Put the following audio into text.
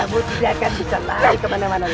kamu tidak akan bisa lari kemana mana lagi